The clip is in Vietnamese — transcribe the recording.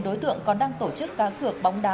đối tượng còn đang tổ chức cá cửa bong đá